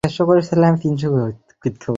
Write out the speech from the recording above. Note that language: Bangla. ঝড়ের সময় লাইন কেটে গেছে।